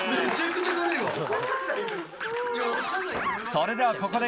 それではここで